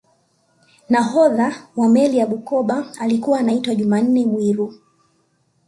nahodha wa meli ya bukoba alikuwa anaitwa jumanne mwiru